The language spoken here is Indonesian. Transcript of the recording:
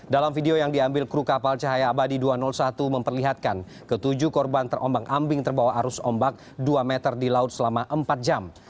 dalam video yang diambil kru kapal cahaya abadi dua ratus satu memperlihatkan ketujuh korban terombang ambing terbawa arus ombak dua meter di laut selama empat jam